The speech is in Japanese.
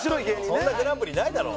そんなグランプリないだろ。